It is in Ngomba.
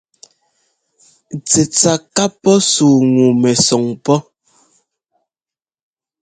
Tsɛtsa ka pɔ́ sú ŋu mɛsɔn pɔ́.